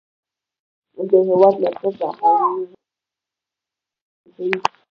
د هېواد مرکز د افغانانو ژوند اغېزمن کوي.